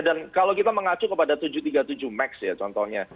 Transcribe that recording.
dan kalau kita mengacu kepada tujuh ratus tiga puluh tujuh max ya contohnya